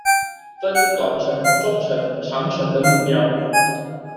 分短程中程長程的目標